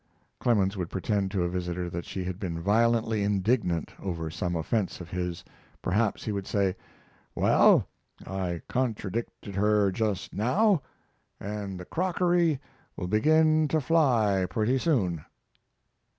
Clemens would pretend to a visitor that she had been violently indignant over some offense of his; perhaps he would say: "Well I contradicted her just now, and the crockery will begin to fly pretty soon."